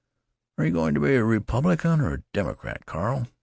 "Are you going to be a Republican or a Democrat, Carl?"